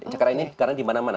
sekarang ini karena dimana mana